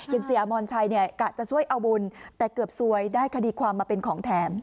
เสียอมรชัยเนี่ยกะจะช่วยเอาบุญแต่เกือบซวยได้คดีความมาเป็นของแถม